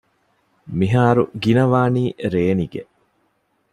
މިހާރު ގިނަވާނީ ރޭނިގެ